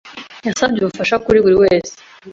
yasabye ubufasha, kuri buri wese